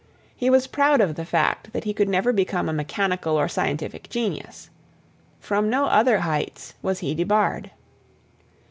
He was proud of the fact that he could never become a mechanical or scientific genius. From no other heights was he debarred.